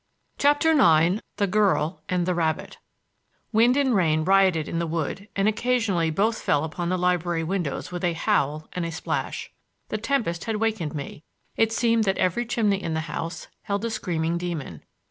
CHAPTER IX THE GIRL AND THE RABBIT Wind and rain rioted in the wood, and occasionally both fell upon the library windows with a howl and a splash. The tempest had wakened me; it seemed that every chimney in the house held a screaming demon.